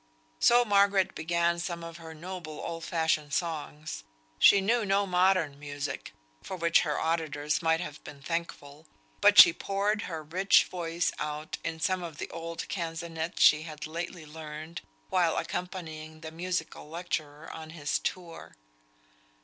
So Margaret began some of her noble old fashioned songs. She knew no modern music (for which her auditors might have been thankful), but she poured her rich voice out in some of the old canzonets she had lately learnt while accompanying the musical lecturer on his tour.